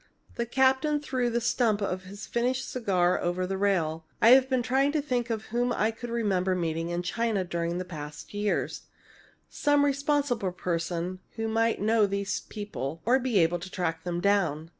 The captain threw the stump of his finished cigar over the rail. "I've been trying to think whom I could remember meeting in China during the past years some responsible person who might know these people or be able to track them down.